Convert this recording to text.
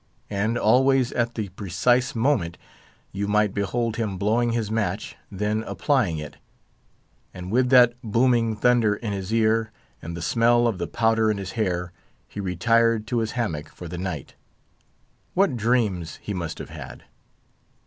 And always at the precise moment you might behold him blowing his match, then applying it; and with that booming thunder in his ear, and the smell of the powder in his hair, he retired to his hammock for the night. What dreams he must have had!